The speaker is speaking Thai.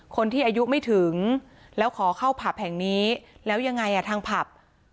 คนที่อายุไม่ถึงแล้วขอเข้าผับแห่งนี้แล้วยังไงอ่ะทางผับ